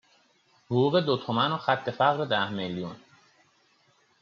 حقوق دو تومن و خط فقر ده میلیون